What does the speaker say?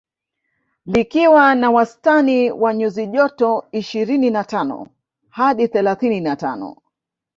Likiwa na wastani wa nyuzi joto ishirini na tano hadi thelathini na tatu